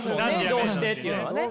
どうしてっていうのはね。